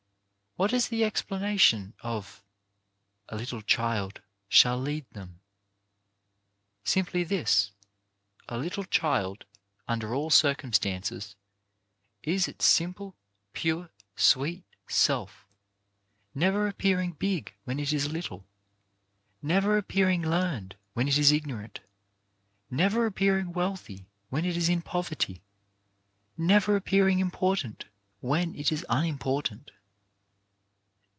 What is the explanation of "A little child shall lead them?" Simply this. A little child, under all circum stances, is its simple, pure, sweet self; never ap pearing big when it is little; never appearing learned when it is ignorant; never appearing wealthy when it is in poverty; never appearing important when it is unimportant.